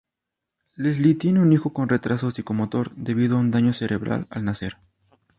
Lesley tiene un hijo con retraso psicomotor debido a un daño cerebral al nacer.